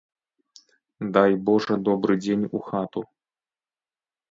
Дай божа добры дзень у хату.